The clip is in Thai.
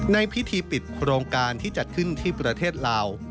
ในพิธีปิดโครงการที่จัดขึ้นที่ประเทศลาว